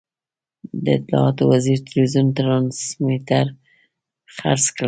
د اطلاعاتو وزیر ټلوېزیون ټرانسمیټر خرڅ کړ.